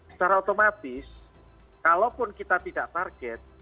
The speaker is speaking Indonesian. secara otomatis kalaupun kita tidak target